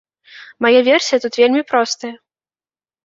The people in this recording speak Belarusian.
Мая версія тут вельмі простая.